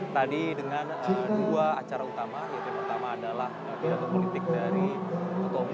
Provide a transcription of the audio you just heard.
tadi dengan dua acara utama yang pertama adalah pidato politik dari komunikasi